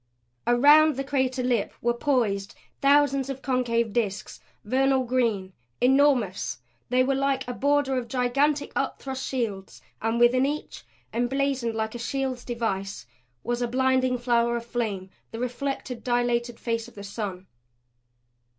Around the crater lip were poised thousands of concave disks, vernal green, enormous. They were like a border of gigantic, upthrust shields; and within each, emblazoned like a shield's device, was a blinding flower of flame the reflected, dilated face of the sun.